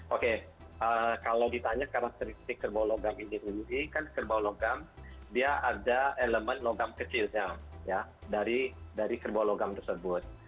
oke kalau ditanya karakteristik kerbau logam ini tinggi kan kerbau logam dia ada elemen logam kecilnya ya dari kerbau logam tersebut